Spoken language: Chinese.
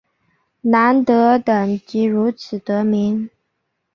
南德等即如此得名。